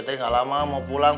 terus scarada dulu tuh kaget